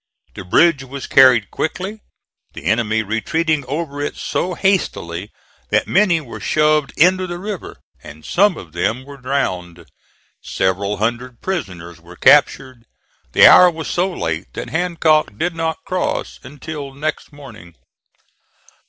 The bridge was carried quickly, the enemy retreating over it so hastily that many were shoved into the river, and some of them were drowned. Several hundred prisoners were captured. The hour was so late that Hancock did not cross until next morning.